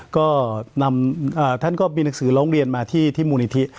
ก็นำท่านก็มีหนังสือร้องเรียนมาที่มูลนิธิ